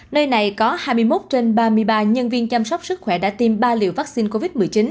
nơi này có hai mươi một trên ba mươi ba nhân viên chăm sóc sức khỏe đã tiêm ba liều vaccine covid một mươi chín